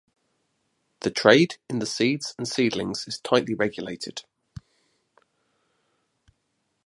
The trade in the seeds and seedlings is tightly regulated.